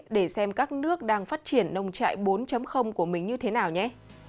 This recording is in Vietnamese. để xem các nước đang phát triển nông trại bốn của mình như thế nào nhé